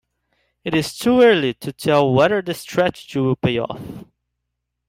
It's too early to tell whether the strategy will pay off.